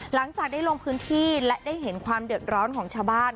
หลังจากได้ลงพื้นที่และได้เห็นความเดือดร้อนของชาวบ้าน